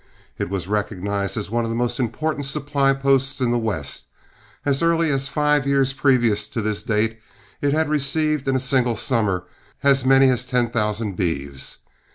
It was recognized as one of the most important supply posts in the West; as early as five years previous to this date, it had received in a single summer as many as ten thousand beeves.